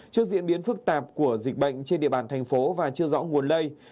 trước diễn biến phức tạp của dịch bệnh trên địa bàn thành phố và chưa rõ nguồn lây